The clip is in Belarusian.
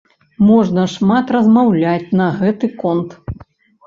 Можна шмат размаўляць на гэты конт.